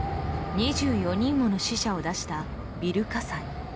２４人もの死者を出したビル火災。